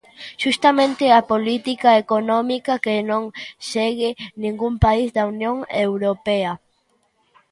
Xustamente a política económica que non segue ningún país da Unión Europea.